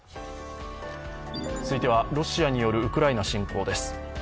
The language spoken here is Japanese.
続いては、ロシアによるウクライナ侵攻です。